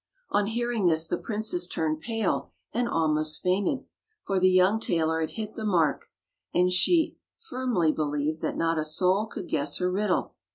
On hearing this, the princess turned pale and almost fainted; for the young tailor had hit the mark, and she had firmly believed that not a soul could guess her riddle.